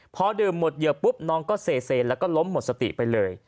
พอดื่มหมดเหยื่อปุ๊บน้องก็เซแล้วก็ล้มหมดสติไปเลย